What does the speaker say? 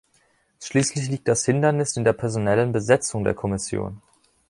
Schließlich liegt das Hindernis in der personellen Besetzung der Kommission.